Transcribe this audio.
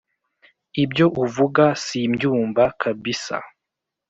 Ibyo uvuga simbyumva kabisa